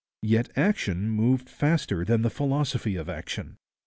Yet action moved faster than the philosophy of action.